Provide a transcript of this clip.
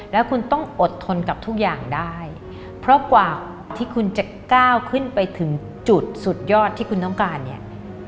แล้วคุณต้องอดทนกับทุกอย่างได้เพราะกว่าที่คุณจะก้าวขึ้นไปถึงจุดสุดยอดที่คุณต้องการเนี่ย